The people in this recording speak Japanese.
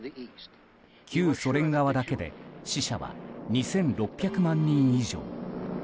旧ソ連側だけで死者は２６００万人以上。